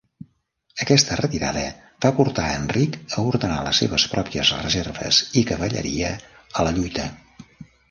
Aquesta retirada va portar a Enric a ordenar les seves pròpies reserves i cavalleria a la lluita.